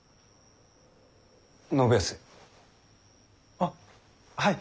あっはい。